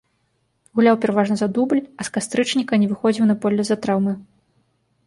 Гуляў пераважна за дубль, а з кастрычніка не выхадзіў на поле з-за траўмы.